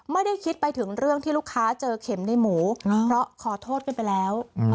ไม่ได้คิดไปถึงเรื่องที่ลูกค้าเจอเข็มในหมูเพราะขอโทษกันไปแล้ว